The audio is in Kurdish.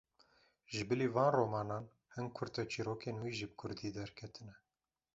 Ji bilî van romanan, hin kurteçîrrokên wî jî bi kurdî derketine.